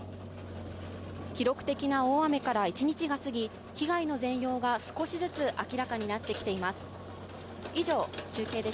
記録的な大雨から１日が過ぎ被害の全容が少しずつ明らかになってきています。